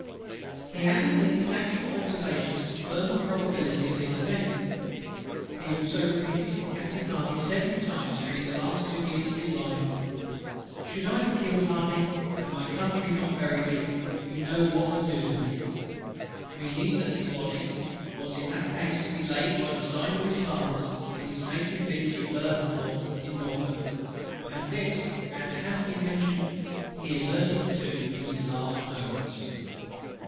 He added, that his actual observations confirmed the probability of this event. He also repeated to Captain HARDY several times during the last two years of his life: "Should I be killed, HARDY, and my Country not bury me, you know what to do with me;" meaning that his body was in that case to be laid by the side of his Father's, in his native village of Burnham Thorpe in Norfolk: and this, as has been before mentioned (in page 48), he adverted to in his last moments.